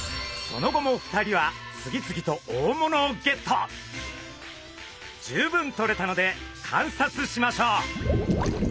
その後も２人は次々と十分とれたので観察しましょう！